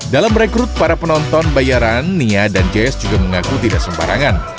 dalam rekrut para penonton bayaran nia dan jazz juga mengaku tidak sembarangan